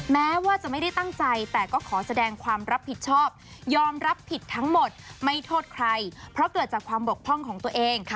แม้ว่าจะไม่ได้ตั้งใจแต่ก็ขอแสดงความรับผิดชอบยอมรับผิดทั้งหมดไม่โทษใครเพราะเกิดจากความบกพร่องของตัวเอง